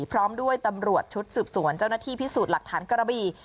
พร้อมด้วยตำรวจชุดสืบสวนเจ้าหน้าที่พิสูจน์หลักฐานกระบี่